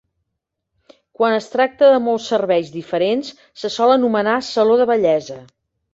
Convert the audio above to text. Quan es tracta de molts serveis diferents se sol anomenar saló de bellesa.